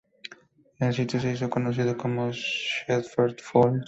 El sitio se hizo conocido como Shepherd's Falls.